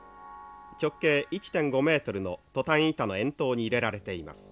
直径１．５メートルのトタン板の円筒に入れられています。